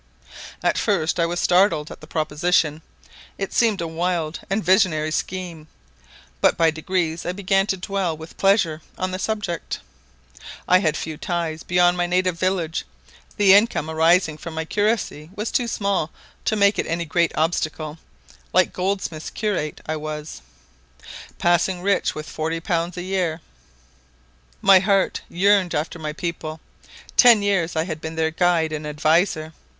"At first I was startled at the proposition; it seemed a wild and visionary scheme: but by degrees I began to dwell with pleasure on the subject. I had few ties beyond my native village; the income arising from my curacy was too small to make it any great obstacle: like Goldsmith's curate, I was 'Passing rich with forty pounds a year.' My heart yearned after my people; ten years I had been their guide and adviser.